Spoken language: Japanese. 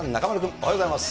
おはようございます。